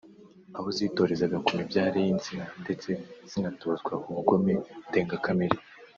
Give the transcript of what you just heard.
aho zitorezaga ku mibyare y’insina ndetse zinatozwa ubugome ndengakamere